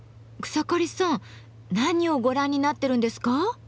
草刈さん何をご覧になってるんですか？